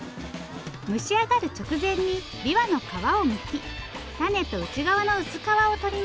蒸し上がる直前にびわの皮をむき種と内側の薄皮を取ります。